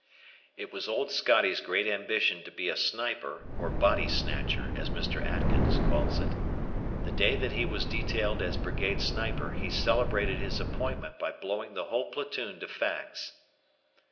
It was Old Scotty's great ambition to be a sniper or "body snatcher" as Mr. Atkins calls it. The day that he was detailed as Brigade Sniper, he celebrated his appointment by blowing the whole platoon to fags.